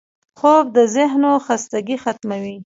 خوب د ذهنو خستګي ختموي